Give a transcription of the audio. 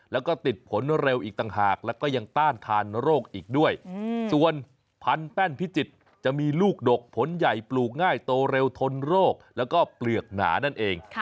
แล้วก็ติดผลเร็วอีกต่างหากแล้วก็ยังต้านทานโรคอีกด้วยส่วนพันแป้นพิจิตรจะมีลูกดกผลใหญ่ปลูกง่ายโตเร็วทนโรคแล้วก็เปลือกหนานั่นเอง